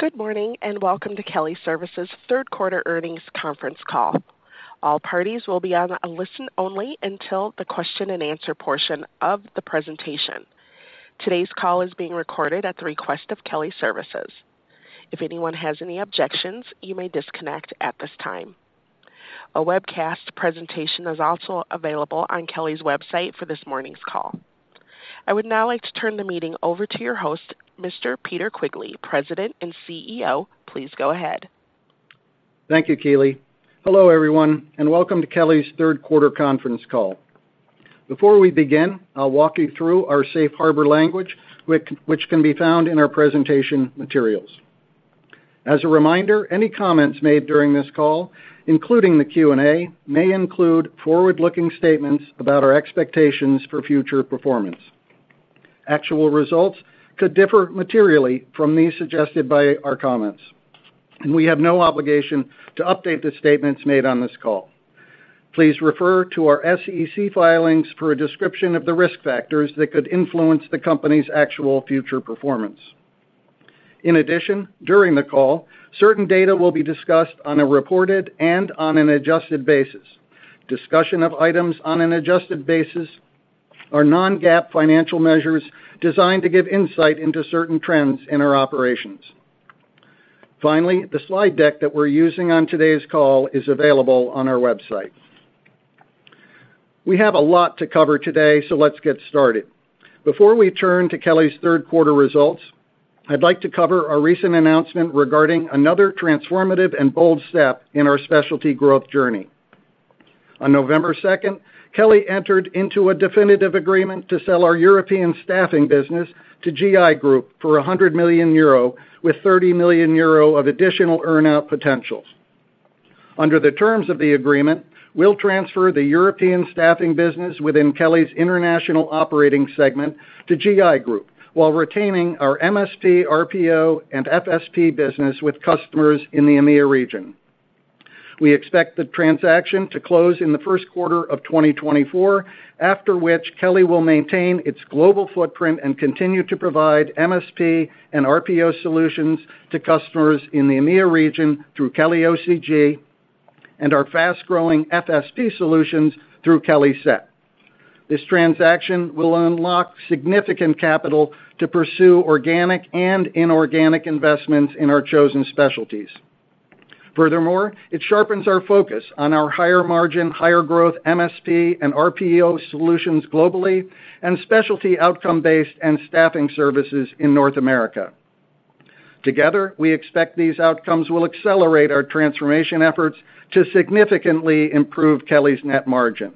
Good morning, and welcome to Kelly Services' Third Quarter Earnings Conference Call. All parties will be on a listen only until the question and answer portion of the presentation. Today's call is being recorded at the request of Kelly Services. If anyone has any objections, you may disconnect at this time. A webcast presentation is also available on Kelly's website for this morning's call. I would now like to turn the meeting over to your host, Mr. Peter Quigley, President and CEO. Please go ahead. Thank you, Keely. Hello, everyone, and welcome to Kelly's Third Quarter Conference Call. Before we begin, I'll walk you through our safe harbor language, which can be found in our presentation materials. As a reminder, any comments made during this call, including the Q&A, may include forward-looking statements about our expectations for future performance. Actual results could differ materially from these suggested by our comments, and we have no obligation to update the statements made on this call. Please refer to our SEC filings for a description of the risk factors that could influence the company's actual future performance. In addition, during the call, certain data will be discussed on a reported and on an adjusted basis. Discussion of items on an adjusted basis are non-GAAP financial measures designed to give insight into certain trends in our operations. Finally, the slide deck that we're using on today's call is available on our website. We have a lot to cover today, so let's get started. Before we turn to Kelly's third quarter results, I'd like to cover our recent announcement regarding another transformative and bold step in our specialty growth journey. On November second, Kelly entered into a definitive agreement to sell our European staffing business to Gi Group for 100 million euro, with 30 million euro of additional earn-out potentials. Under the terms of the agreement, we'll transfer the European staffing business within Kelly's International operating segment to Gi Group, while retaining our MSP, RPO, and FSP business with customers in the EMEA region. We expect the transaction to close in the first quarter of 2024, after which Kelly will maintain its global footprint and continue to provide MSP and RPO solutions to customers in the EMEA region through Kelly OCG and our fast-growing FSP solutions through Kelly SET. This transaction will unlock significant capital to pursue organic and inorganic investments in our chosen specialties. Furthermore, it sharpens our focus on our higher margin, higher growth MSP and RPO solutions globally, and specialty outcome-based and staffing services in North America. Together, we expect these outcomes will accelerate our transformation efforts to significantly improve Kelly's net margin.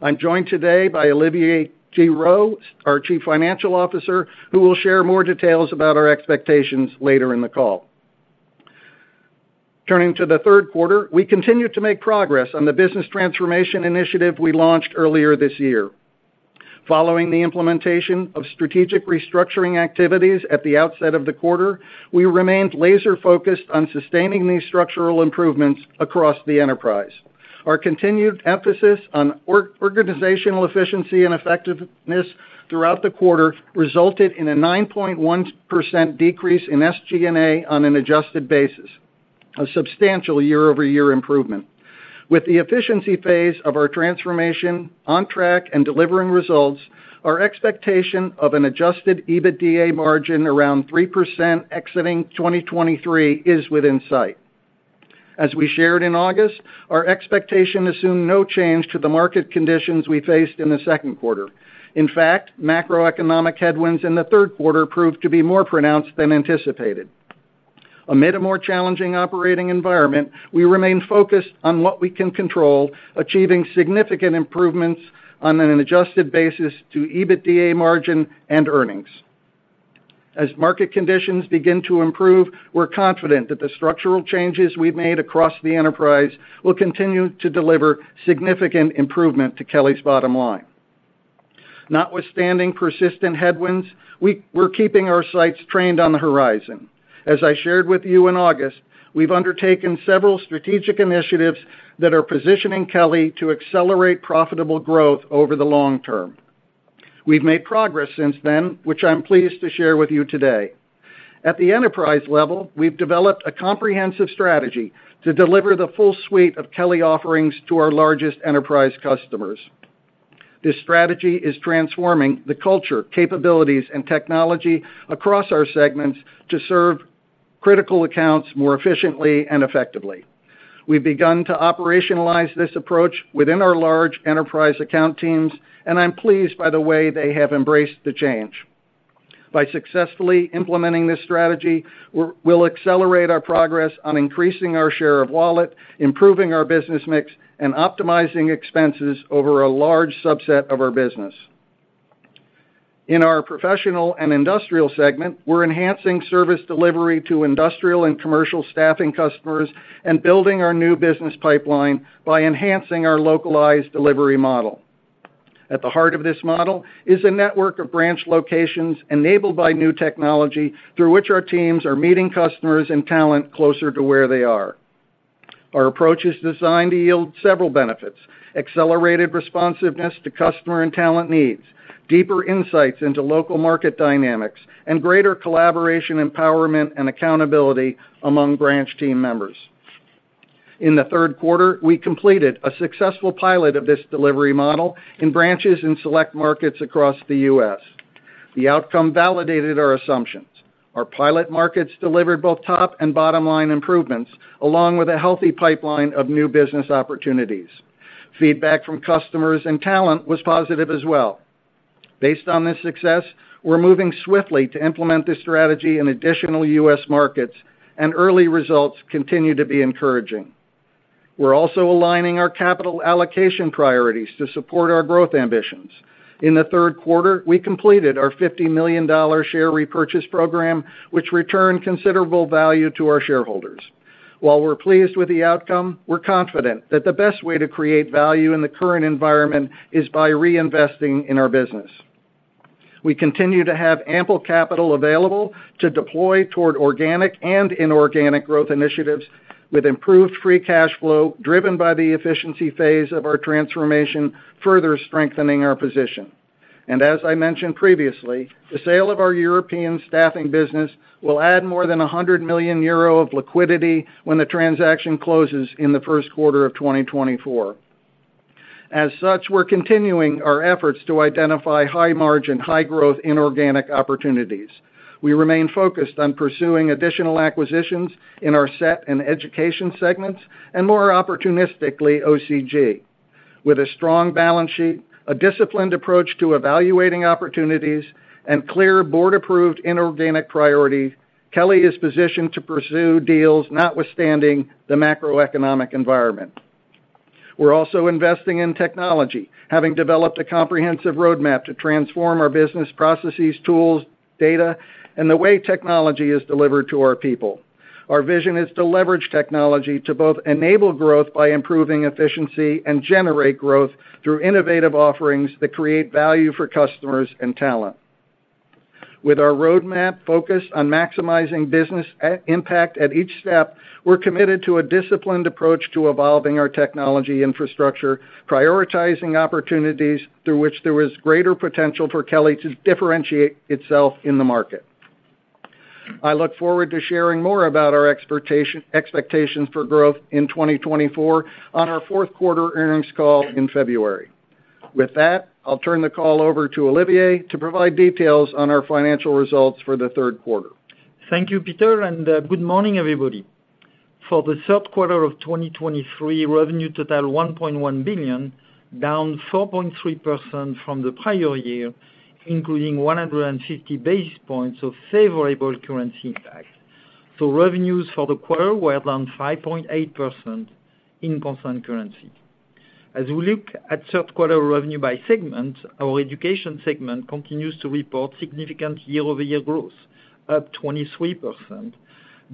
I'm joined today by Olivier Thirot, our Chief Financial Officer, who will share more details about our expectations later in the call. Turning to the third quarter, we continue to make progress on the business transformation initiative we launched earlier this year. Following the implementation of strategic restructuring activities at the outset of the quarter, we remained laser-focused on sustaining these structural improvements across the enterprise. Our continued emphasis on organizational efficiency and effectiveness throughout the quarter resulted in a 9.1% decrease in SG&A on an adjusted basis, a substantial year-over-year improvement. With the efficiency phase of our transformation on track and delivering results, our expectation of an adjusted EBITDA margin around 3% exiting 2023 is within sight. As we shared in August, our expectation assumed no change to the market conditions we faced in the second quarter. In fact, macroeconomic headwinds in the third quarter proved to be more pronounced than anticipated. Amid a more challenging operating environment, we remain focused on what we can control, achieving significant improvements on an adjusted basis to EBITDA margin and earnings. As market conditions begin to improve, we're confident that the structural changes we've made across the enterprise will continue to deliver significant improvement to Kelly's bottom line. Notwithstanding persistent headwinds, we're keeping our sights trained on the horizon. As I shared with you in August, we've undertaken several strategic initiatives that are positioning Kelly to accelerate profitable growth over the long term. We've made progress since then, which I'm pleased to share with you today. At the enterprise level, we've developed a comprehensive strategy to deliver the full suite of Kelly offerings to our largest enterprise customers. This strategy is transforming the culture, capabilities, and technology across our segments to serve critical accounts more efficiently and effectively. We've begun to operationalize this approach within our large enterprise account teams, and I'm pleased by the way they have embraced the change. By successfully implementing this strategy, we'll accelerate our progress on increasing our share of wallet, improving our business mix, and optimizing expenses over a large subset of our business. In our Professional and Industrial segment, we're enhancing service delivery to industrial and commercial staffing customers and building our new business pipeline by enhancing our localized delivery model. At the heart of this model is a network of branch locations enabled by new technology, through which our teams are meeting customers and talent closer to where they are. Our approach is designed to yield several benefits, accelerated responsiveness to customer and talent needs, deeper insights into local market dynamics, and greater collaboration, empowerment, and accountability among branch team members. In the third quarter, we completed a successful pilot of this delivery model in branches in select markets across the U.S. The outcome validated our assumptions. Our pilot markets delivered both top and bottom line improvements, along with a healthy pipeline of new business opportunities. Feedback from customers and talent was positive as well. Based on this success, we're moving swiftly to implement this strategy in additional U.S. markets, and early results continue to be encouraging. We're also aligning our capital allocation priorities to support our growth ambitions. In the third quarter, we completed our $50 million share repurchase program, which returned considerable value to our shareholders. While we're pleased with the outcome, we're confident that the best way to create value in the current environment is by reinvesting in our business. We continue to have ample capital available to deploy toward organic and inorganic growth initiatives, with improved free cash flow, driven by the efficiency phase of our transformation, further strengthening our position. As I mentioned previously, the sale of our European staffing business will add more than 100 million euro of liquidity when the transaction closes in the first quarter of 2024. As such, we're continuing our efforts to identify high margin, high growth, inorganic opportunities. We remain focused on pursuing additional acquisitions in our SET and education segments, and more opportunistically, OCG. With a strong balance sheet, a disciplined approach to evaluating opportunities, and clear board-approved inorganic priority, Kelly is positioned to pursue deals notwithstanding the macroeconomic environment. We're also investing in technology, having developed a comprehensive roadmap to transform our business processes, tools, data, and the way technology is delivered to our people. Our vision is to leverage technology to both enable growth by improving efficiency, and generate growth through innovative offerings that create value for customers and talent. With our roadmap focused on maximizing business impact at each step, we're committed to a disciplined approach to evolving our technology infrastructure, prioritizing opportunities through which there is greater potential for Kelly to differentiate itself in the market. I look forward to sharing more about our expectation, expectations for growth in 2024 on our fourth quarter earnings call in February. With that, I'll turn the call over to Olivier to provide details on our financial results for the third quarter. Thank you, Peter, and, good morning, everybody. For the third quarter of 2023, revenue totaled $1.1 billion, down 4.3% from the prior year, including 150 basis points of favorable currency impact. So revenues for the quarter were down 5.8% in constant currency. As we look at third quarter revenue by segment, our education segment continues to report significant year-over-year growth, up 23%,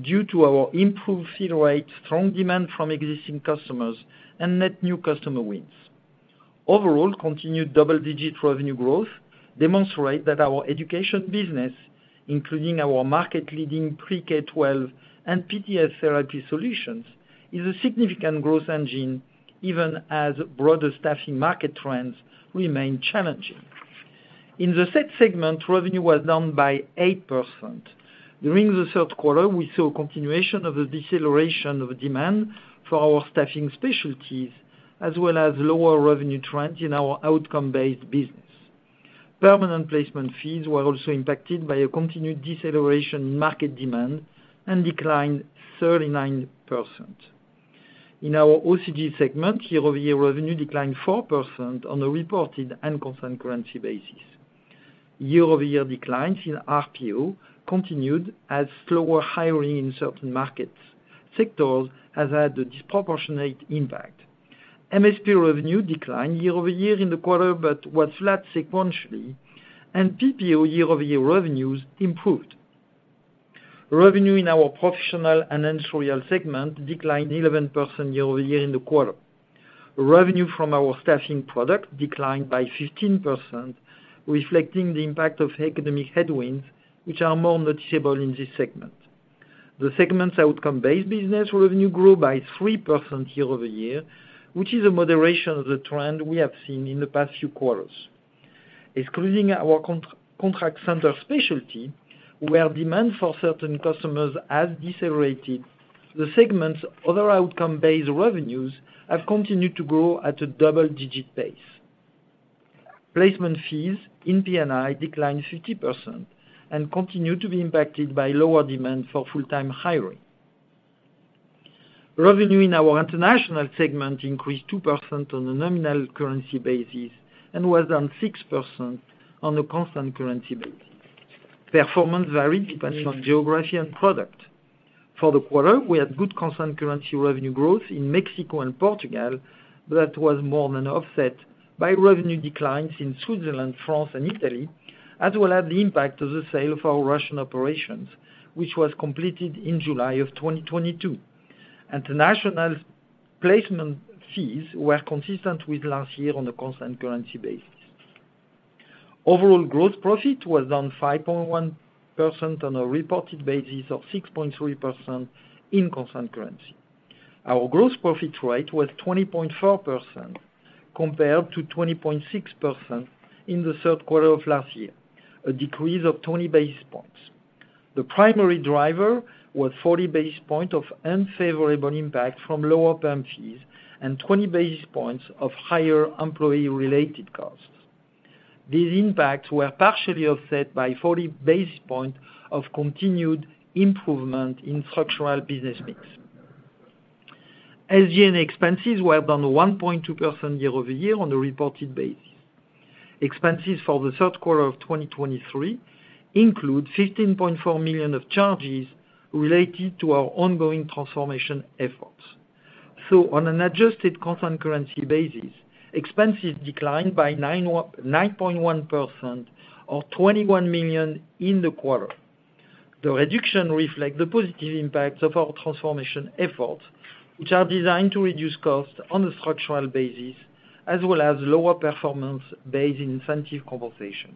due to our improved fill rate, strong demand from existing customers, and net new customer wins. Overall, continued double-digit revenue growth demonstrate that our education business, including our market-leading PreK-12 and PTS therapy solutions, is a significant growth engine, even as broader staffing market trends remain challenging. In the SET segment, revenue was down by 8%. During the third quarter, we saw continuation of the deceleration of demand for our staffing specialties, as well as lower revenue trends in our outcome-based business. Permanent placement fees were also impacted by a continued deceleration in market demand and declined 39%. In our OCG segment, year-over-year revenue declined 4% on a reported and constant currency basis. Year-over-year declines in RPO continued as slower hiring in certain markets, sectors has had a disproportionate impact. MSP revenue declined year-over-year in the quarter, but was flat sequentially, and PPO year-over-year revenues improved. Revenue in our Professional and Industrial segment declined 11% year-over-year in the quarter. Revenue from our staffing product declined by 15%, reflecting the impact of economic headwinds, which are more noticeable in this segment. The segment's outcome-based business revenue grew by 3% year-over-year, which is a moderation of the trend we have seen in the past few quarters. Excluding our contact center specialty, where demand for certain customers has decelerated, the segment's other outcome-based revenues have continued to grow at a double-digit pace. Placement fees in P&I declined 50% and continue to be impacted by lower demand for full-time hiring. Revenue in our international segment increased 2% on a nominal currency basis and was down 6% on a constant currency basis. Performance varied depending on geography and product. For the quarter, we had good constant currency revenue growth in Mexico and Portugal, but that was more than offset by revenue declines in Switzerland, France, and Italy, as well as the impact of the sale of our Russian operations, which was completed in July of 2022. International placement fees were consistent with last year on a constant currency basis. Overall, gross profit was down 5.1% on a reported basis, or 6.3% in constant currency. Our gross profit rate was 20.4%, compared to 20.6% in the third quarter of last year, a decrease of 20 basis points. The primary driver was 40 basis points of unfavorable impact from lower perm fees and 20 basis points of higher employee-related costs. These impacts were partially offset by 40 basis points of continued improvement in structural business mix. SG&A expenses were down 1.2% year-over-year on a reported basis. Expenses for the third quarter of 2023 include $15.4 million of charges related to our ongoing transformation efforts. On an adjusted constant currency basis, expenses declined by 9.1%, or $21 million in the quarter. The reduction reflect the positive impacts of our transformation efforts, which are designed to reduce costs on a structural basis, as well as lower performance-based incentive compensation.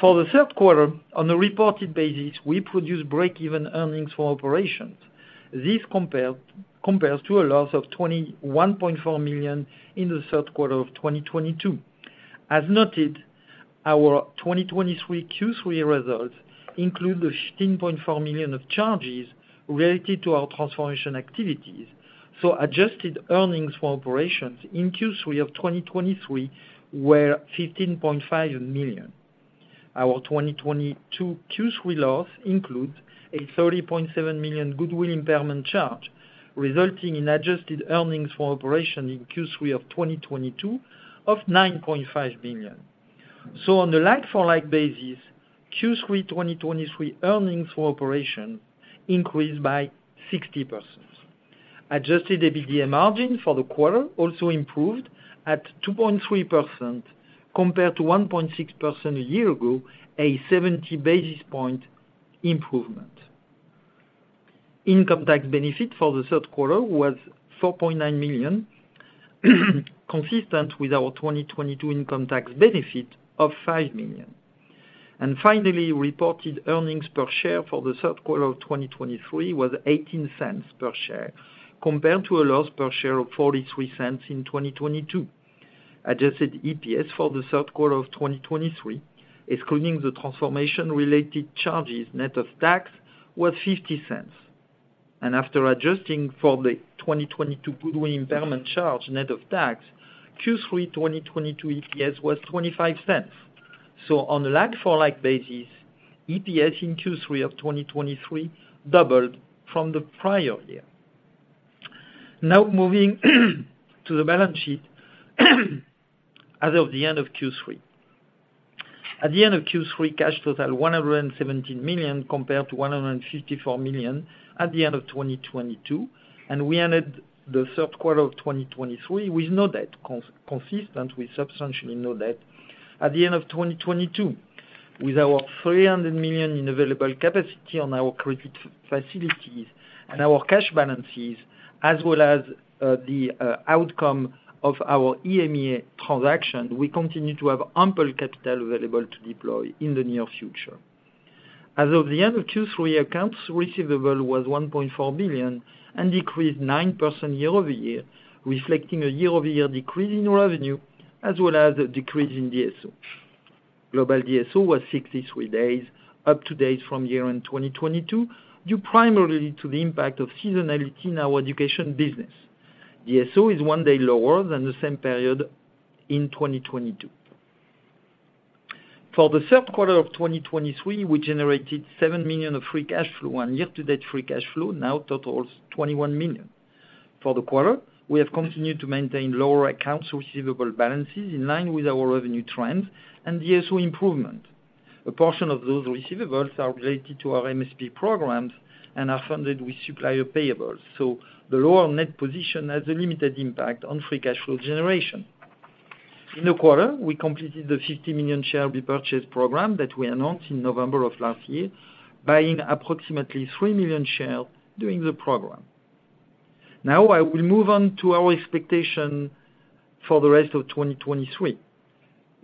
For the third quarter, on a reported basis, we produced breakeven earnings for operations. This compares to a loss of $21.4 million in the third quarter of 2022. As noted, our 2023 Q3 results include the $15.4 million of charges related to our transformation activities, so adjusted earnings for operations in Q3 of 2023 were $15.5 million. Our 2022 Q3 loss includes a $30.7 million goodwill impairment charge, resulting in adjusted earnings for operation in Q3 of 2022 of $9.5 million. So on a like-for-like basis, Q3 2023 earnings for operation increased by 60%. Adjusted EBITDA margin for the quarter also improved at 2.3% compared to 1.6% a year ago, a 70 basis point improvement. Income tax benefit for the third quarter was $4.9 million, consistent with our 2022 income tax benefit of $5 million. And finally, reported earnings per share for the third quarter of 2023 was $0.18 per share, compared to a loss per share of $0.43 in 2022. Adjusted EPS for the third quarter of 2023, excluding the transformation-related charges, net of tax, was $0.50, and after adjusting for the 2022 goodwill impairment charge net of tax, Q3 2022 EPS was $0.25. So on a like-for-like basis, EPS in Q3 of 2023 doubled from the prior year. Now moving to the balance sheet, as of the end of Q3. At the end of Q3, cash totaled $117 million, compared to $154 million at the end of 2022, and we ended the third quarter of 2023 with no debt, consistent with substantially no debt at the end of 2022. With our $300 million in available capacity on our credit facilities and our cash balances, as well as the outcome of our EMEA transaction, we continue to have ample capital available to deploy in the near future. As of the end of Q3, accounts receivable was $1.4 billion and decreased 9% year-over-year, reflecting a year-over-year decrease in revenue, as well as a decrease in DSO. Global DSO was 63 days, up two days from year-end 2022, due primarily to the impact of seasonality in our education business. DSO is one day lower than the same period in 2022. For the third quarter of 2023, we generated $7 million of free cash flow, and year-to-date free cash flow now totals $21 million. For the quarter, we have continued to maintain lower accounts receivable balances in line with our revenue trends and DSO improvement. A portion of those receivables are related to our MSP programs and are funded with supplier payables, so the lower net position has a limited impact on free cash flow generation. In the quarter, we completed the $50 million share repurchase program that we announced in November of last year, buying approximately 3 million shares during the program. Now, I will move on to our expectation for the rest of 2023.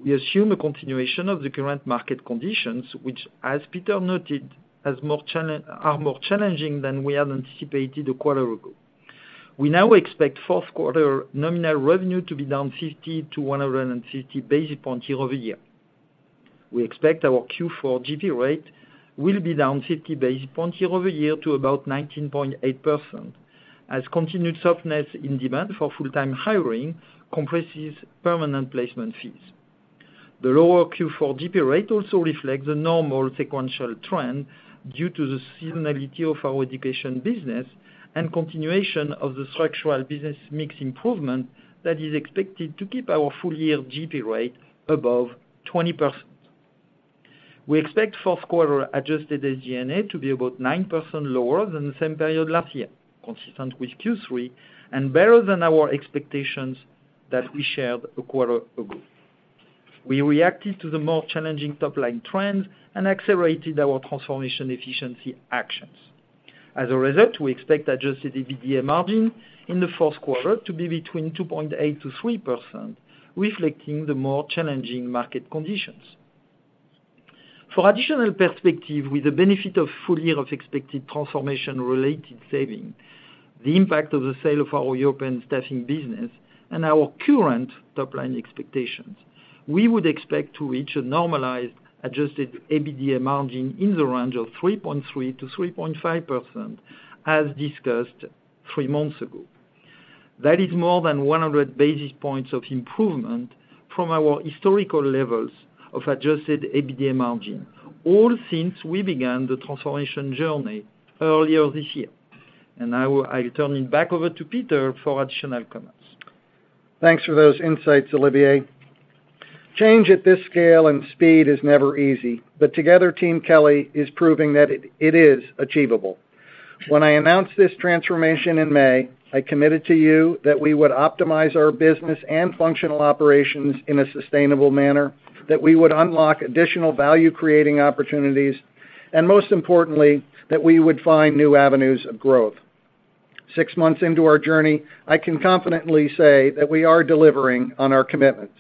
We assume a continuation of the current market conditions, which, as Peter noted, are more challenging than we had anticipated a quarter ago. We now expect fourth quarter nominal revenue to be down 50-150 basis points year-over-year. We expect our Q4 GP rate will be down 50 basis points year-over-year to about 19.8%, as continued softness in demand for full-time hiring compresses permanent placement fees. The lower Q4 GP rate also reflects the normal sequential trend due to the seasonality of our education business and continuation of the structural business mix improvement that is expected to keep our full-year GP rate above 20%. We expect fourth quarter adjusted SG&A to be about 9% lower than the same period last year, consistent with Q3 and better than our expectations that we shared a quarter ago. We reacted to the more challenging top-line trends and accelerated our transformation efficiency actions. As a result, we expect adjusted EBITDA margin in the fourth quarter to be between 2.8%-3%, reflecting the more challenging market conditions. For additional perspective, with the benefit of full year of expected transformation-related savings, the impact of the sale of our European staffing business, and our current top line expectations, we would expect to reach a normalized adjusted EBITDA margin in the range of 3.3%-3.5%, as discussed three months ago. That is more than 100 basis points of improvement from our historical levels of adjusted EBITDA margin, all since we began the transformation journey earlier this year. And now, I turn it back over to Peter for additional comments. Thanks for those insights, Olivier. Change at this scale and speed is never easy, but together, Team Kelly is proving that it is achievable. When I announced this transformation in May, I committed to you that we would optimize our business and functional operations in a sustainable manner, that we would unlock additional value-creating opportunities, and most importantly, that we would find new avenues of growth. Six months into our journey, I can confidently say that we are delivering on our commitments.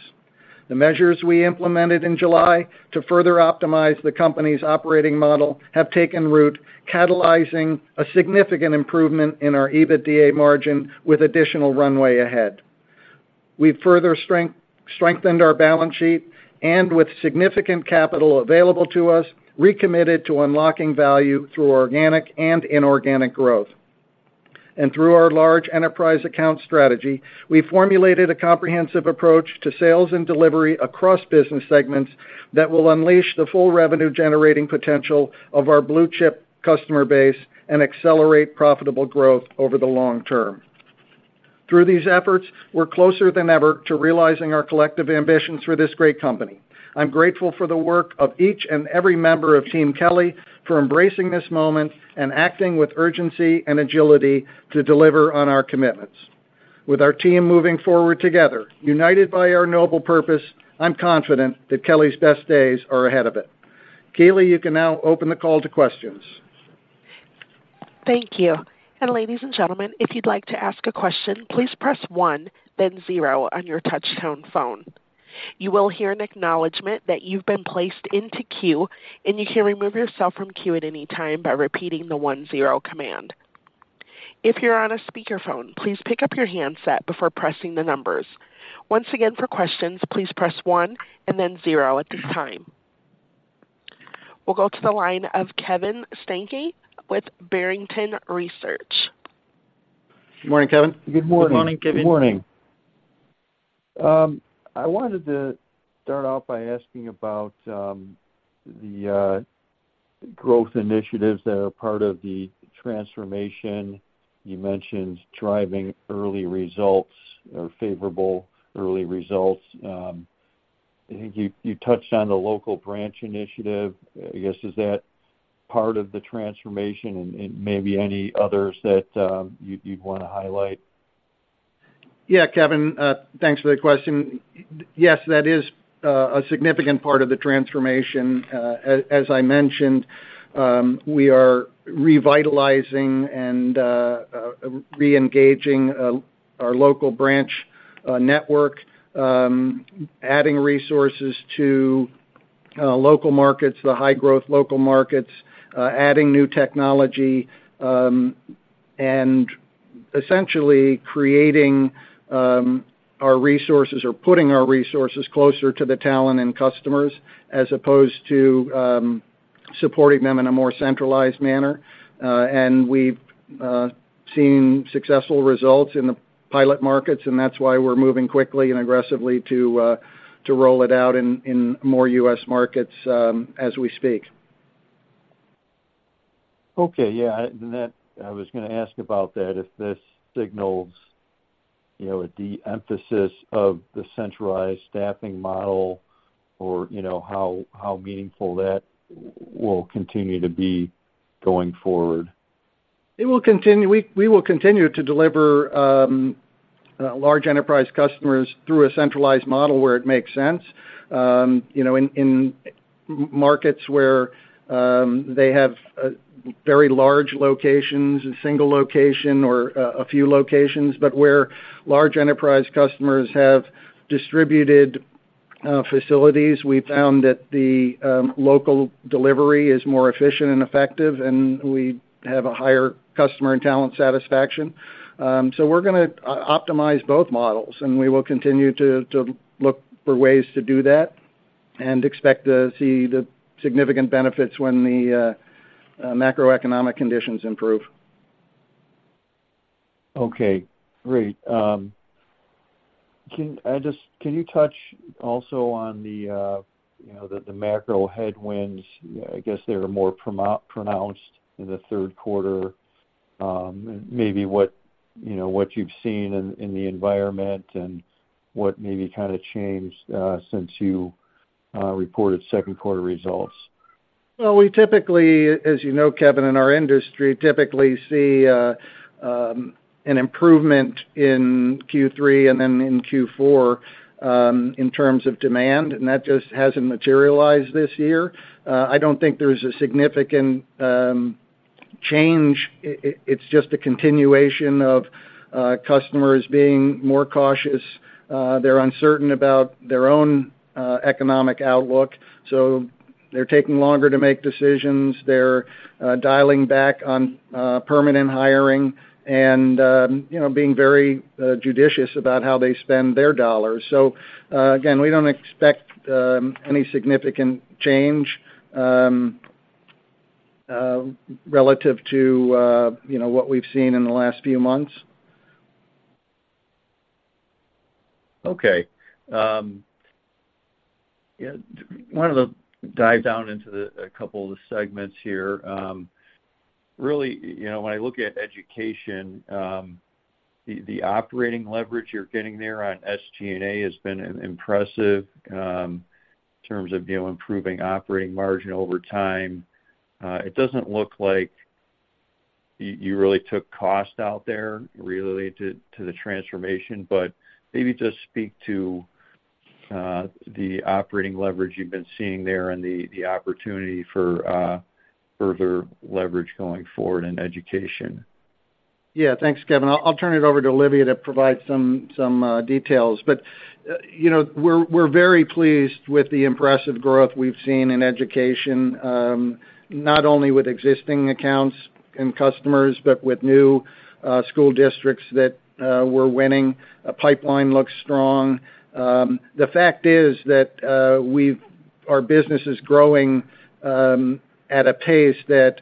The measures we implemented in July to further optimize the company's operating model have taken root, catalyzing a significant improvement in our EBITDA margin with additional runway ahead. We've further strengthened our balance sheet, and with significant capital available to us, recommitted to unlocking value through organic and inorganic growth. And through our large enterprise account strategy, we formulated a comprehensive approach to sales and delivery across business segments that will unleash the full revenue-generating potential of our blue-chip customer base and accelerate profitable growth over the long term. Through these efforts, we're closer than ever to realizing our collective ambitions for this great company. I'm grateful for the work of each and every member of Team Kelly for embracing this moment and acting with urgency and agility to deliver on our commitments. With our team moving forward together, united by our noble purpose, I'm confident that Kelly's best days are ahead of it. Kaylee, you can now open the call to questions. Thank you. And ladies and gentlemen, if you'd like to ask a question, please press one, then zero on your touchtone phone. You will hear an acknowledgment that you've been placed into queue, and you can remove yourself from queue at any time by repeating the one-zero command. If you're on a speakerphone, please pick up your handset before pressing the numbers. Once again, for questions, please press one and then zero at this time. We'll go to the line of Kevin Steinke with Barrington Research. Good morning, Kevin. Good morning. Kevin. Good morning. I wanted to start off by asking about the growth initiatives that are part of the transformation. You mentioned driving early results or favorable early results. I think you touched on the local branch initiative. I guess, is that part of the transformation and maybe any others that you'd wanna highlight? Yeah, Kevin, thanks for the question. Yes, that is a significant part of the transformation. As I mentioned, we are revitalizing and reengaging our local branch network, adding resources to local markets, the high-growth local markets, adding new technology, and essentially creating our resources or putting our resources closer to the talent and customers, as opposed to supporting them in a more centralized manner. And we've seen successful results in the pilot markets, and that's why we're moving quickly and aggressively to roll it out in more U.S. markets, as we speak. Okay, yeah, and that... I was gonna ask about that, if this signals, you know, a de-emphasis of the centralized staffing model or, you know, how, how meaningful that will continue to be going forward? It will continue. We will continue to deliver large enterprise customers through a centralized model where it makes sense. You know, in markets where they have very large locations, a single location or a few locations, but where large enterprise customers have distributed facilities, we found that the local delivery is more efficient and effective, and we have a higher customer and talent satisfaction. So we're gonna optimize both models, and we will continue to look for ways to do that and expect to see the significant benefits when the macroeconomic conditions improve. Okay, great. Can you touch also on the, you know, the macro headwinds? I guess, they were more pronounced in the third quarter. Maybe what, you know, what you've seen in the environment and what maybe kind of changed since you reported second quarter results. Well, we typically, as you know, Kevin, in our industry, typically see an improvement in Q3 and then in Q4 in terms of demand, and that just hasn't materialized this year. I don't think there's a significant change. It's just a continuation of customers being more cautious. They're uncertain about their own economic outlook, so they're taking longer to make decisions. They're dialing back on permanent hiring and, you know, being very judicious about how they spend their dollars. So, again, we don't expect any significant change relative to, you know, what we've seen in the last few months. Okay, yeah, wanted to dive down into the, a couple of the segments here. Really, you know, when I look at education, the operating leverage you're getting there on SG&A has been impressive, in terms of, you know, improving operating margin over time. It doesn't look like you really took cost out there related to the transformation, but maybe just speak to the operating leverage you've been seeing there and the opportunity for further leverage going forward in education. Yeah, thanks, Kevin. I'll turn it over to Olivier to provide some details. But you know, we're very pleased with the impressive growth we've seen in education, not only with existing accounts and customers, but with new school districts that we're winning. Our pipeline looks strong. The fact is that we've, our business is growing at a pace that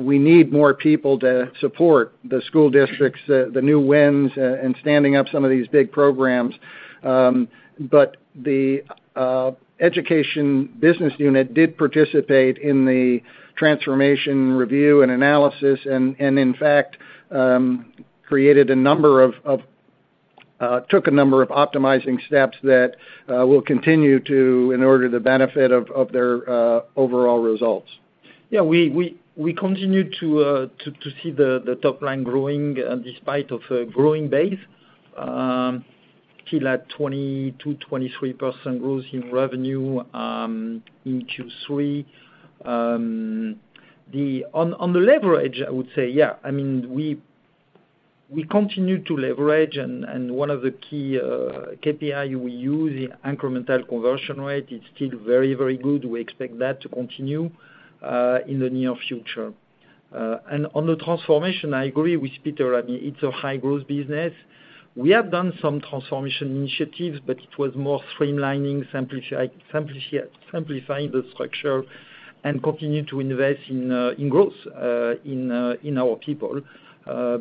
we need more people to support the school districts, the new wins, and standing up some of these big programs. But the education business unit did participate in the transformation review and analysis, and in fact took a number of optimizing steps that will continue to in order to benefit their overall results. Yeah, we continue to see the top line growing despite of a growing base. Still at 20%-23% growth in revenue in Q3. On the leverage, I would say, yeah, I mean, we continue to leverage, and one of the key KPI we use, the incremental conversion rate, is still very, very good. We expect that to continue in the near future. And on the transformation, I agree with Peter. I mean, it's a high growth business. We have done some transformation initiatives, but it was more streamlining, simplifying the structure and continue to invest in growth in our people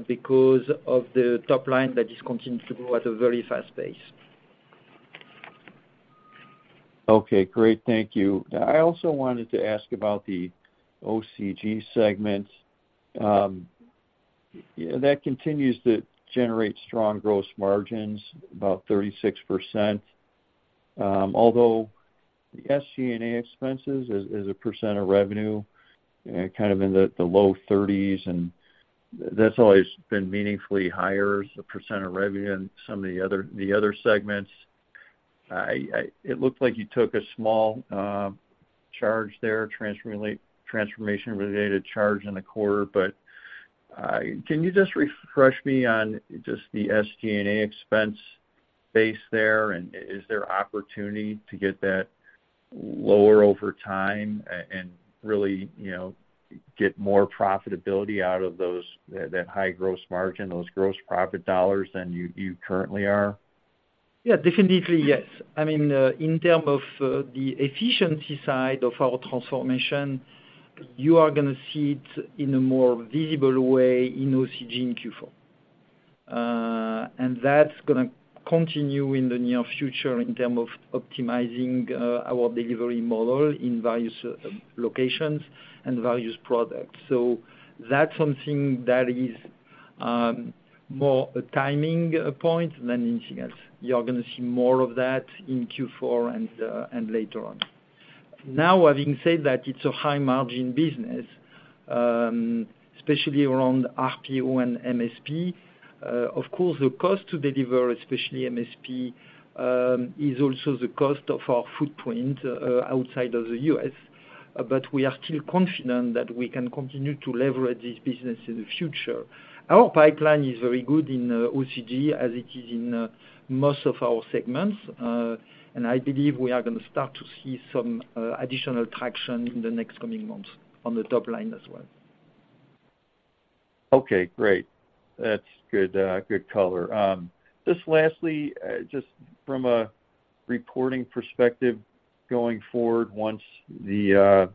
because of the top line that is continuing to grow at a very fast pace. Okay, great. Thank you. I also wanted to ask about the OCG segment. That continues to generate strong gross margins, about 36%. Although the SG&A expenses as a percent of revenue kind of in the low 30s, and that's always been meaningfully higher as a percent of revenue than some of the other segments. It looked like you took a small charge there, transformation-related charge in the quarter. But can you just refresh me on just the SG&A expense base there, and is there opportunity to get that lower over time and really, you know, get more profitability out of those that high gross margin, those gross profit dollars than you currently are? Yeah, definitely, yes. I mean, in terms of, the efficiency side of our transformation, you are gonna see it in a more visible way in OCG in Q4. And that's gonna continue in the near future in terms of optimizing, our delivery model in various, locations and various products. So that's something that is, more a timing, point than anything else. You are gonna see more of that in Q4 and, and later on. Now, having said that, it's a high-margin business, especially around RPO and MSP. Of course, the cost to deliver, especially MSP, is also the cost of our footprint, outside of the U.S. But we are still confident that we can continue to leverage this business in the future. Our pipeline is very good in OCG, as it is in most of our segments. I believe we are gonna start to see some additional traction in the next coming months on the top line as well. Okay, great. That's good, good color. Just lastly, just from a reporting perspective, going forward, once the,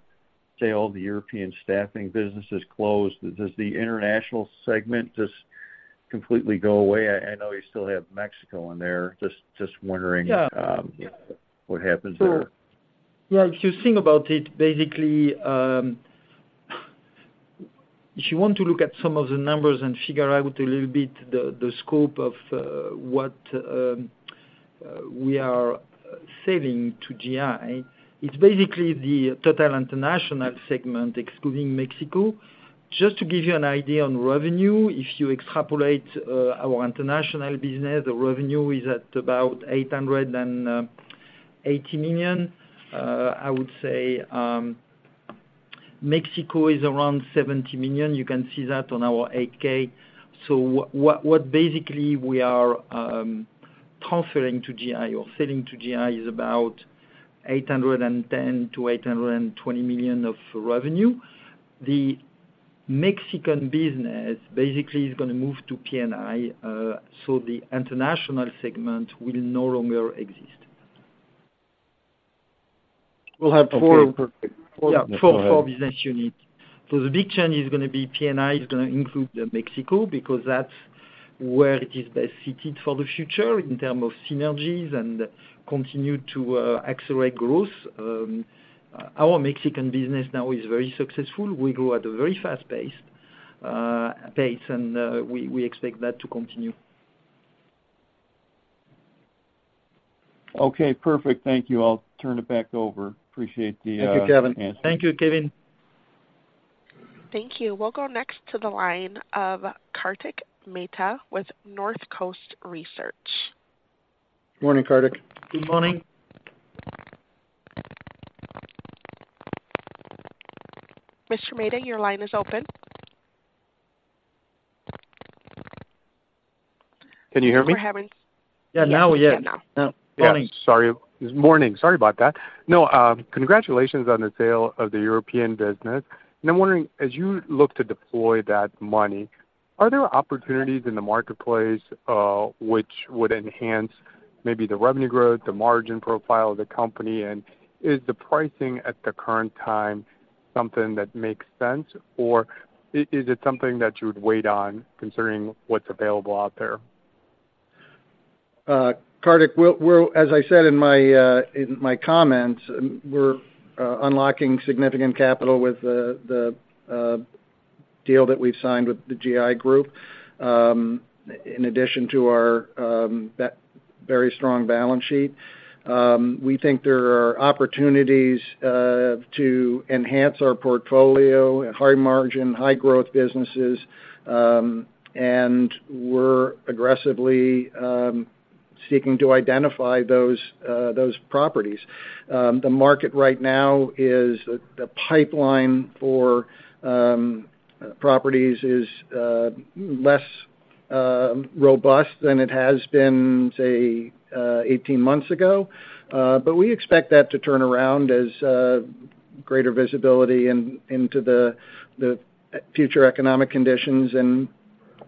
say, all the European staffing business is closed, does the international segment just completely go away? I know you still have Mexico in there. Just wondering- Yeah... what happens there? Yeah, if you think about it, basically, if you want to look at some of the numbers and figure out a little bit the scope of what we are selling to Gi, it's basically the total international segment, excluding Mexico. Just to give you an idea on revenue, if you extrapolate our international business, the revenue is at about $880 million. I would say Mexico is around $70 million. You can see that on our 10-K. So what basically we are transferring to Gi or selling to Gi is about $810 million-$820 million of revenue. The Mexican business basically is gonna move to P&I, so the international segment will no longer exist. We'll have four- Okay, perfect. Yeah, four, four business units. So the big change is gonna be P&I is gonna include Mexico, because that's where it is best fitted for the future in terms of synergies and continue to accelerate growth. Our Mexican business now is very successful. We grow at a very fast pace, and we expect that to continue. Okay, perfect. Thank you. I'll turn it back over. Appreciate the answer. Thank you, Kevin. Thank you, Kevin. Thank you. We'll go next to the line of Kartik Mehta with North Coast Research. Morning, Kartik. Good morning. Mr. Mehta, your line is open. Can you hear me? We're having- Yeah, now, yes. Yes, we can now. Yes, sorry. It's morning. Sorry about that. No, congratulations on the sale of the European business. And I'm wondering, as you look to deploy that money, are there opportunities in the marketplace, which would enhance maybe the revenue growth, the margin profile of the company? And is the pricing at the current time, something that makes sense, or is it something that you would wait on, considering what's available out there? Kartik, we'll, as I said in my comments, we're unlocking significant capital with the deal that we've signed with the Gi Group. In addition to our very strong balance sheet, we think there are opportunities to enhance our portfolio at high margin, high growth businesses, and we're aggressively seeking to identify those properties. The market right now is... the pipeline for properties is less robust than it has been, say, 18 months ago. But we expect that to turn around as greater visibility into the future economic conditions and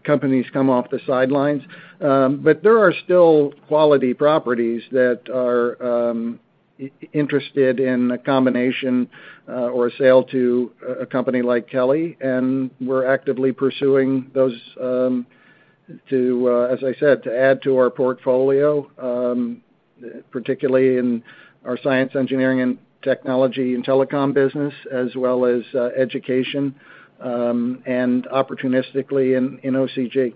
companies come off the sidelines. But there are still quality properties that are interested in a combination or a sale to a company like Kelly, and we're actively pursuing those, as I said, to add to our portfolio, particularly in our science, engineering, and technology, and telecom business, as well as education, and opportunistically in OCG.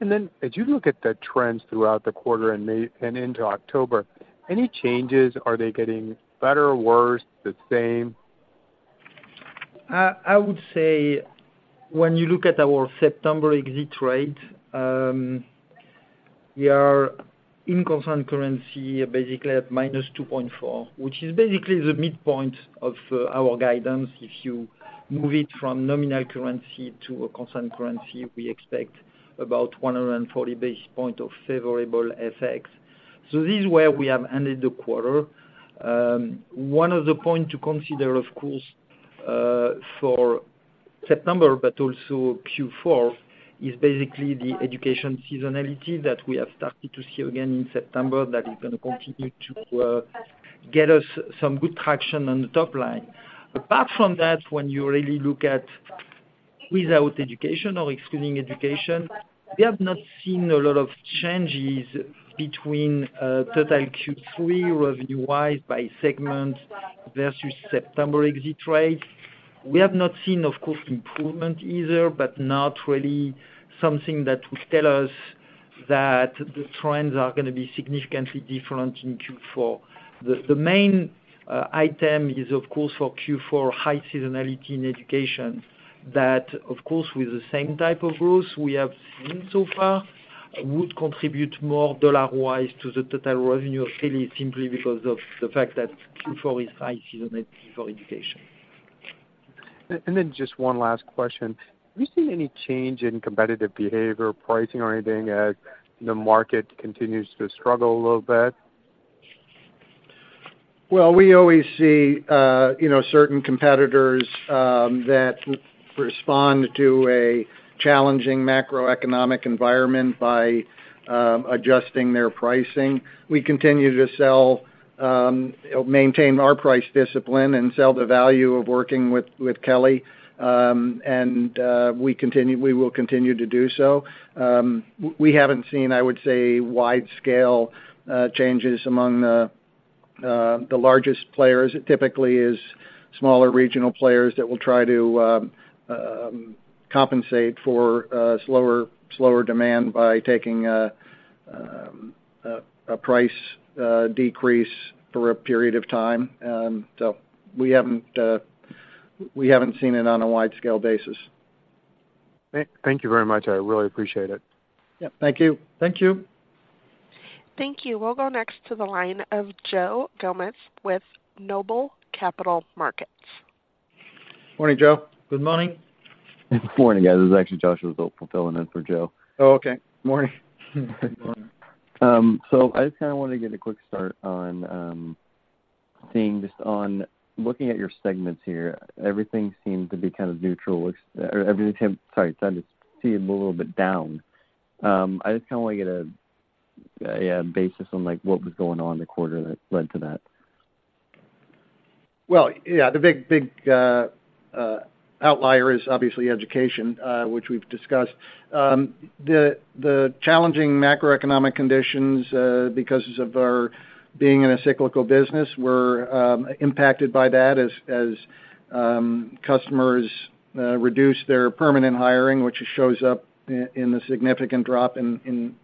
And then as you look at the trends throughout the quarter and May and into October, any changes, are they getting better or worse, the same? I would say when you look at our September exit rate, we are in constant currency, basically at -2.4, which is basically the midpoint of our guidance. If you move it from nominal currency to a constant currency, we expect about 140 basis points of favorable FX. So this is where we have ended the quarter. One of the points to consider, of course, for September, but also Q4, is basically the education seasonality that we have started to see again in September, that is gonna continue to get us some good traction on the top line. Apart from that, when you really look at without education or excluding education, we have not seen a lot of changes between total Q3 revenue-wise, by segment, versus September exit rates. We have not seen, of course, improvement either, but not really something that will tell us that the trends are gonna be significantly different in Q4. The main item is, of course, for Q4, high seasonality in education. That, of course, with the same type of growth we have seen so far, would contribute more dollar-wise to the total revenue of Kelly, simply because of the fact that Q4 is high seasonality for education. And then just one last question. Have you seen any change in competitive behavior, pricing or anything, as the market continues to struggle a little bit? Well, we always see, you know, certain competitors that respond to a challenging macroeconomic environment by adjusting their pricing. We continue to sell, maintain our price discipline and sell the value of working with, with Kelly. And we continue—we will continue to do so. We haven't seen, I would say, wide-scale changes among the the largest players. It typically is smaller regional players that will try to compensate for slower demand by taking a price decrease for a period of time. And so we haven't seen it on a wide-scale basis. Thank you very much. I really appreciate it. Yep, thank you. Thank you. Thank you. We'll go next to the line of Joe Gomez with Noble Capital Markets. Morning, Joe. Good morning. Good morning, guys. This is actually Josh. I'm filling in for Joe. Oh, okay. Morning. So I just kinda wanted to get a quick start on things on looking at your segments here. Everything seemed to be kind of neutral, or everything, sorry, seemed a little bit down. I just kinda wanna get a basis on, like, what was going on in the quarter that led to that? Well, yeah, the big, big, outlier is obviously education, which we've discussed. The challenging macroeconomic conditions, because of our being in a cyclical business, we're impacted by that as customers reduce their permanent hiring, which shows up in the significant drop in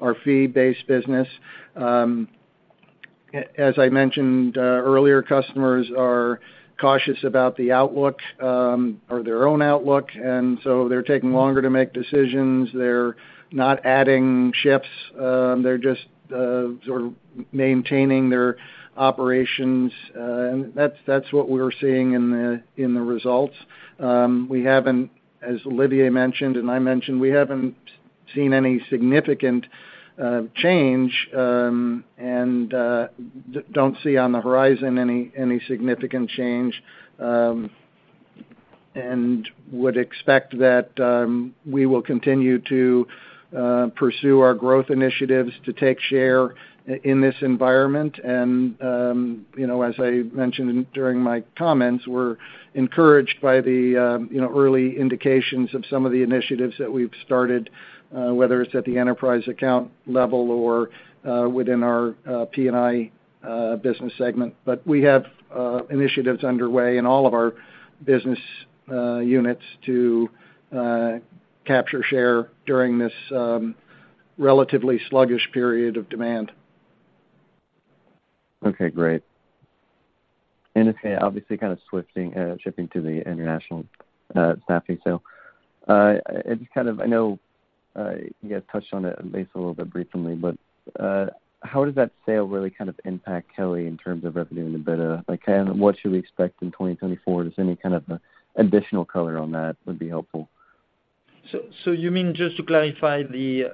our fee-based business. As I mentioned earlier, customers are cautious about the outlook, or their own outlook, and so they're taking longer to make decisions. They're not adding shifts, they're just sort of maintaining their operations, and that's what we're seeing in the results. We haven't, as Olivier mentioned, and I mentioned, we haven't seen any significant change, and don't see on the horizon any significant change, and would expect that we will continue to pursue our growth initiatives to take share in this environment. And, you know, as I mentioned during my comments, we're encouraged by the, you know, early indications of some of the initiatives that we've started, whether it's at the enterprise account level or within our P&I business segment. But we have initiatives underway in all of our business units to capture share during this relatively sluggish period of demand. Okay, great. And just, obviously, kind of shifting to the international staffing. So, I just kind of, I know, you guys touched on it at least a little bit briefly, but, how does that sale really kind of impact Kelly in terms of revenue and EBITDA? Like, kind of what should we expect in 2024? Just any kind of additional color on that would be helpful. So you mean just to clarify the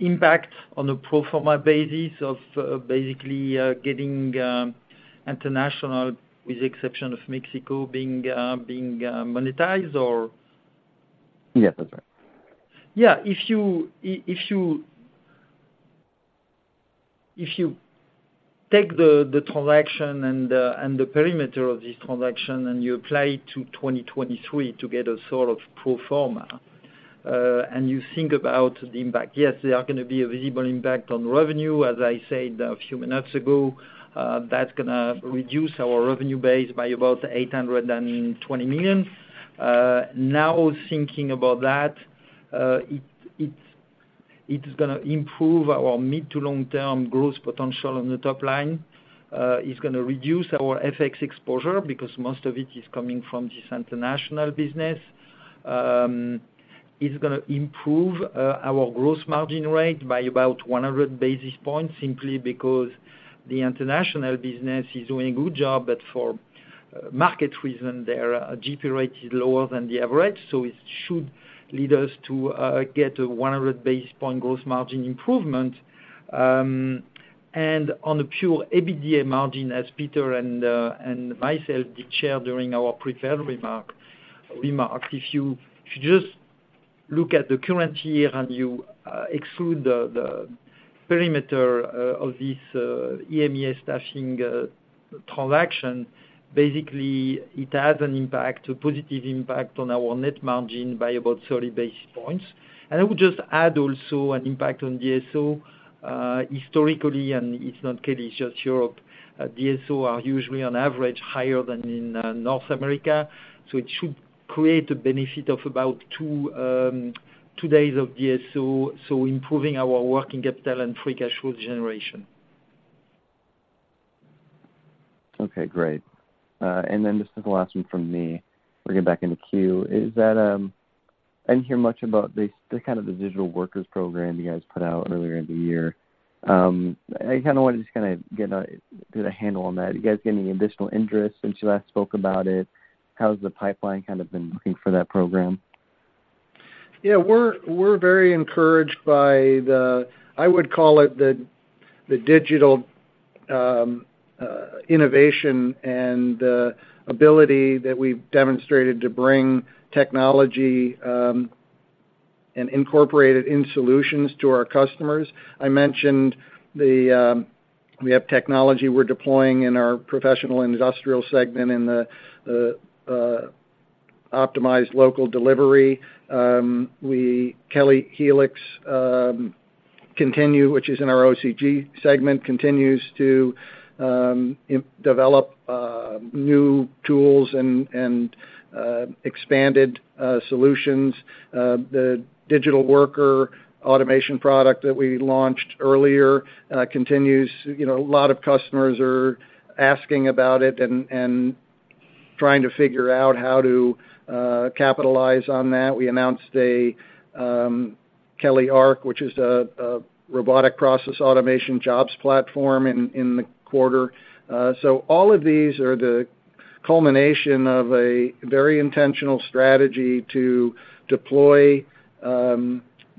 impact on the pro forma basis of basically getting international, with the exception of Mexico, being monetized, or? Yeah, that's right. Yeah. If you, if you take the transaction and the perimeter of this transaction, and you apply it to 2023 to get a sort of pro forma, and you think about the impact, yes, there are gonna be a visible impact on revenue. As I said a few minutes ago, that's gonna reduce our revenue base by about $820 million. Now, thinking about that, it is gonna improve our mid to long-term growth potential on the top line. It's gonna reduce our FX exposure because most of it is coming from this international business. It's gonna improve our gross margin rate by about 100 basis points, simply because the international business is doing a good job, but for market reason, their GP rate is lower than the average. So it should lead us to get a 100 basis point gross margin improvement. And on a pure EBITDA margin, as Peter and myself did share during our prepared remark, if you just look at the current year and you exclude the perimeter of this EMEA staffing transaction, basically, it has an impact, a positive impact on our net margin by about 30 basis points. And I would just add also an impact on DSO, historically, and it's not Kelly, it's just Europe. DSO are usually on average higher than in North America, so it should create a benefit of about two days of DSO, so improving our working capital and free cash flow generation. Okay, great. And then just the last one from me, bringing back into queue, is that I didn't hear much about the kind of the digital workers program you guys put out earlier in the year. I kinda wanna just get a handle on that. You guys get any additional interest since you last spoke about it? How has the pipeline kind of been looking for that program? Yeah, we're very encouraged by the... I would call it the digital innovation and ability that we've demonstrated to bring technology and incorporate it in solutions to our customers. I mentioned the, we have technology we're deploying in our professional industrial segment in the optimized local delivery. Kelly Helix, which is in our OCG segment, continues to develop new tools and expanded solutions. The digital worker automation product that we launched earlier continues. You know, a lot of customers are asking about it and trying to figure out how to capitalize on that. We announced Kelly Arc, which is a robotic process automation jobs platform in the quarter. So all of these are the culmination of a very intentional strategy to deploy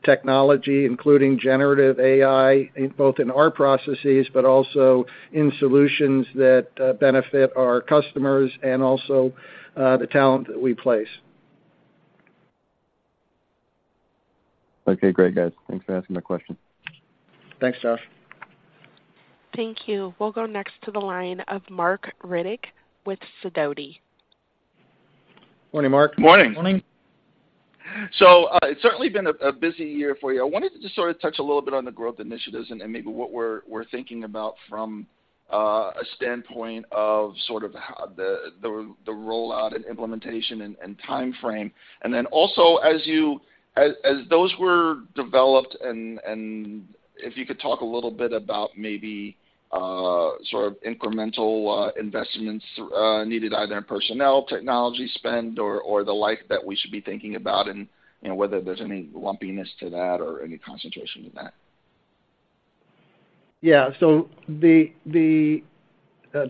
technology, including generative AI, in both in our processes, but also in solutions that benefit our customers and also the talent that we place. Okay, great, guys. Thanks for asking the question. Thanks, Josh. Thank you. We'll go next to the line of Marc Riddick with Sidoti. Good morning, Marc. Morning. Morning. So, it's certainly been a busy year for you. I wanted to just sort of touch a little bit on the growth initiatives and maybe what we're thinking about from a standpoint of sort of how the rollout and implementation and timeframe. And then also, as those were developed and if you could talk a little bit about maybe sort of incremental investments needed, either in personnel, technology spend, or the like that we should be thinking about and whether there's any lumpiness to that or any concentration to that. Yeah. So the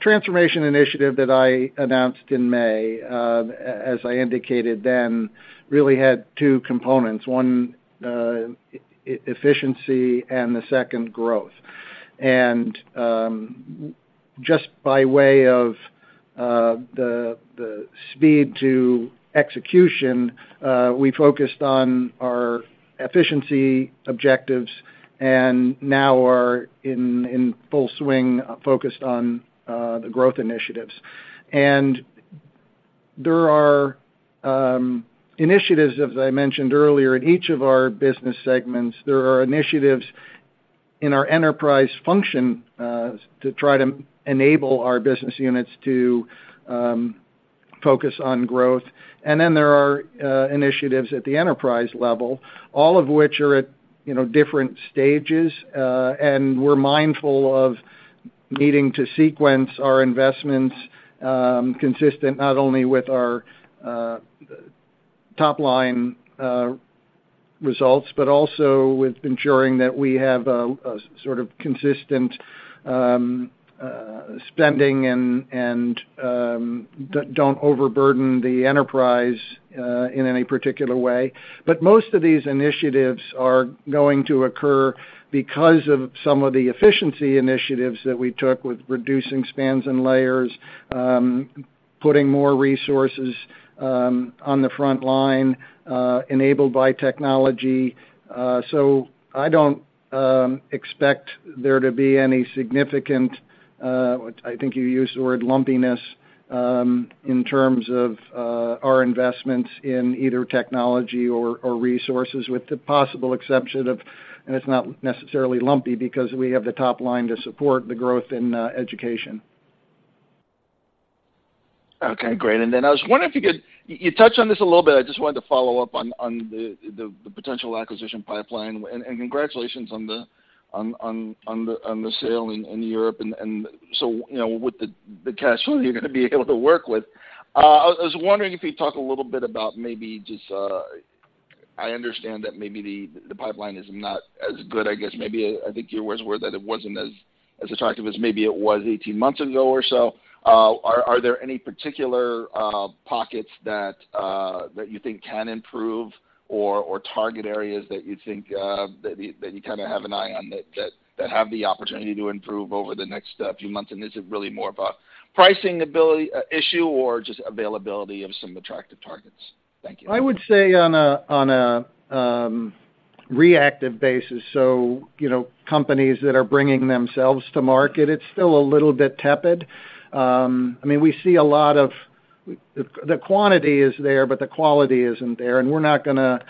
transformation initiative that I announced in May, as I indicated then, really had two components. One, efficiency, and the second, growth. And just by way of the speed to execution, we focused on our efficiency objectives and now are in full swing, focused on the growth initiatives. And there are initiatives, as I mentioned earlier, in each of our business segments, there are initiatives in our enterprise function to try to enable our business units to focus on growth. And then there are initiatives at the enterprise level, all of which are at, you know, different stages. And we're mindful of needing to sequence our investments, consistent not only with our top line results, but also with ensuring that we have a sort of consistent spending and don't overburden the enterprise in any particular way. But most of these initiatives are going to occur because of some of the efficiency initiatives that we took with reducing spans and layers, putting more resources on the front line, enabled by technology. So I don't expect there to be any significant, I think you used the word lumpiness, in terms of our investments in either technology or resources, with the possible exception of... and it's not necessarily lumpy because we have the top line to support the growth in education. Okay, great. And then I was wondering if you could—you touched on this a little bit. I just wanted to follow up on the potential acquisition pipeline. And congratulations on the sale in Europe. And so, you know, with the cash flow you're gonna be able to work with. I was wondering if you'd talk a little bit about maybe just. I understand that maybe the pipeline is not as good. I guess maybe I think your words were that it wasn't as attractive as maybe it was 18 months ago or so. Are there any particular pockets that you think can improve or target areas that you think that you kind of have an eye on that have the opportunity to improve over the next few months? And is it really more of a pricing ability issue or just availability of some attractive targets? Thank you. I would say on a reactive basis, so, you know, companies that are bringing themselves to market, it's still a little bit tepid. I mean, we see a lot of... The quantity is there, but the quality isn't there, and we're not gonna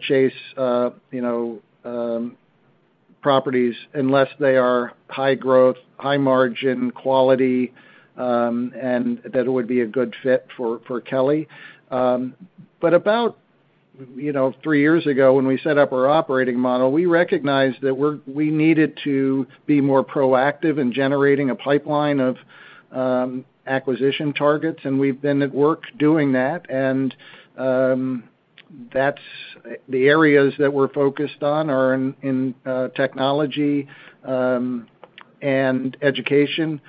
chase, you know, properties unless they are high growth, high margin quality, and that it would be a good fit for Kelly. But about three years ago, when we set up our operating model, we recognized that we needed to be more proactive in generating a pipeline of acquisition targets, and we've been at work doing that. That's the areas that we're focused on are in technology and education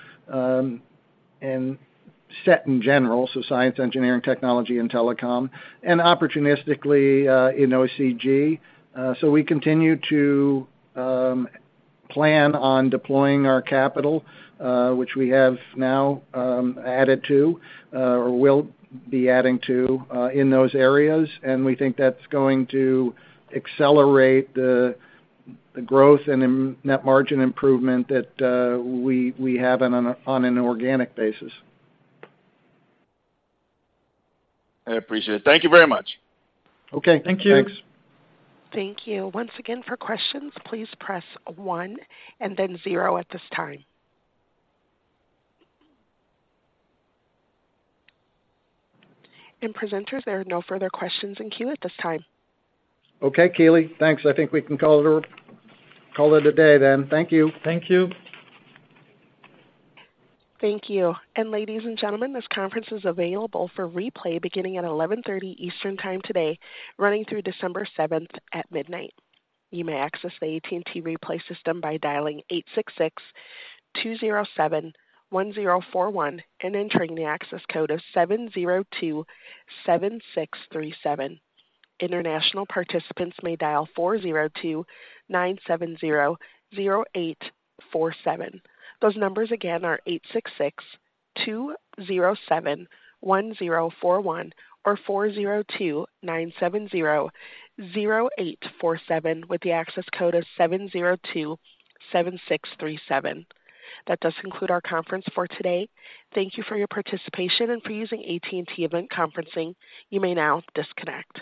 and SET in general, so science, engineering, technology, and telecom, and opportunistically in OCG. So we continue to plan on deploying our capital, which we have now added to, or will be adding to, in those areas. We think that's going to accelerate the growth and net margin improvement that we have on an organic basis. I appreciate it. Thank you very much. Okay. Thank you. Thanks. Thank you. Once again, for questions, please press one and then zero at this time. Presenters, there are no further questions in queue at this time. Okay, Kelly. Thanks. I think we can call it a day then. Thank you. Thank you. Thank you. Ladies and gentlemen, this conference is available for replay beginning at 11:30 Eastern Time today, running through December seventh at midnight. You may access the AT&T replay system by dialing 866-207-1041 and entering the access code of 7027637. International participants may dial 402-970-0847. Those numbers again are 866-207-1041 or 402-970-0847, with the access code of 7027637. That does conclude our conference for today. Thank you for your participation and for using AT&T event conferencing. You may now disconnect.